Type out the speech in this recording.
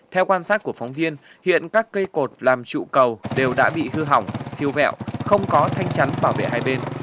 theo quan sát của phóng viên hiện các cây cột làm trụ cầu đều đã bị hư hỏng siêu vẹo không có thanh chắn bảo vệ hai bên